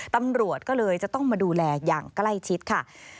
ตำรวจก็เลยจะต้องมาดูแลอย่างใกล้ชิดค่ะ